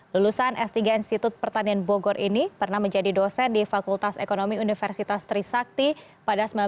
lulusan s tiga institut pertanian bogor ini pernah menjadi dosen di fakultas ekonomi universitas trisakti pada seribu sembilan ratus sembilan puluh